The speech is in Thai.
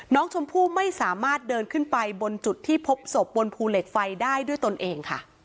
น้องชมพู่ไม่สามารถเดินขึ้นไปบนจุดที่พบศพบนภูเหล็กไฟได้ด้วยตนเองค่ะ